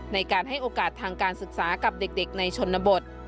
ในการให้โอกาสทางการศึกษากับเด็กในชนบท